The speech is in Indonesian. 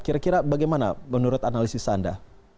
kira kira bagaimana menurut analisis anda